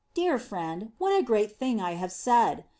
Dear friend, what a great thing \ have said.